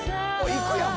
いくやん！